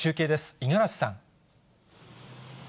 五十嵐さん。